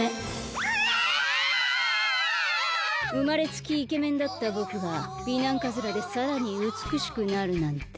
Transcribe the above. うまれつきイケメンだったぼくが美男カズラでさらにうつくしくなるなんて。